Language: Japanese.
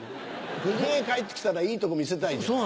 くにへ帰って来たらいいとこ見せたい。